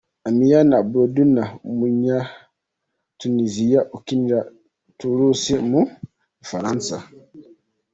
Aymen Abdennour, umunyatuniziya ukinira Toulouse mu Bufaransa.